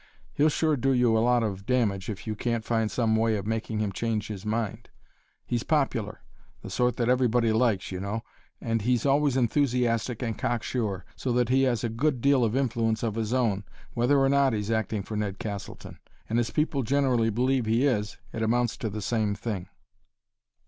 He'll sure do you a lot of damage if you can't find some way of making him change his mind. He's popular, the sort that everybody likes, you know, and he's always enthusiastic and cocksure, so that he has a good deal of influence of his own, whether or not he's acting for Ned Castleton. And as people generally believe he is it amounts to the same thing."